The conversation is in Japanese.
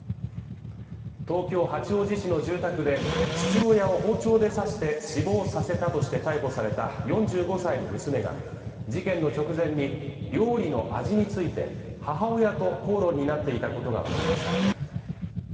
東京八王子市の住宅で父親を包丁で刺して死亡させたとして逮捕された４５歳の娘が事件の直前に、料理の味について、母親と口論になっていたことがわかりました。